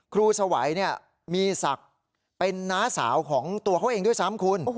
สวัยมีศักดิ์เป็นน้าสาวของตัวเขาเองด้วยซ้ำคุณ